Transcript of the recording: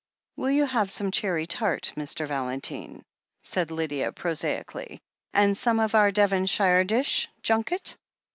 "Will you have some cherry tart, Mr. Valentine?" said Lydia prosaically. "And some of our Devonshire dish — ^junket?"